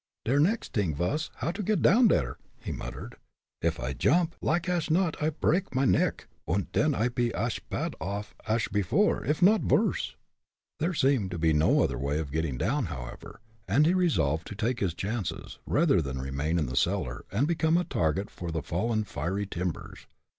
"Der next t'ing vas to get down dere," he muttered. "If I jump, like ash not I preak mine neck, und den I pe ash pad off ash before, of not vorse." There seemed no other way of getting down, however, and he resolved to take his chances, rather than remain in the cellar and become a target for the fallen fiery timbers.